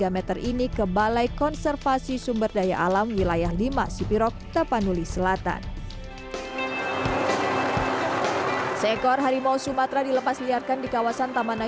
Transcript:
m ini ke balai konservasi sumber daya alam wilayah lima sipirog tapanuli selatan seekor harimau sumatera